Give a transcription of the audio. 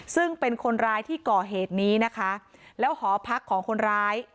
ซึ่งเป็นคนร้ายที่ก่อเหตุนี้นะคะแล้วหอพักของคนร้าย